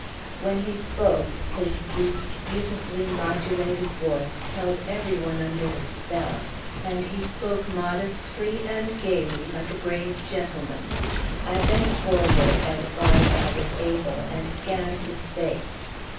When he spoke, his deep, beautifully modulated voice held everyone under its spell, and he spoke modestly and gaily like a brave gentleman. I bent forward, as far as I was able, and scanned his face.